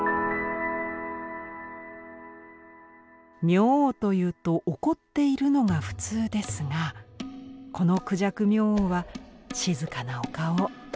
明王というと怒っているのが普通ですがこの孔雀明王は静かなお顔。